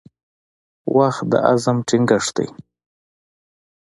• وخت د عزم ټینګښت دی.